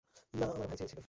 না আমার ভাই চেয়েছিল।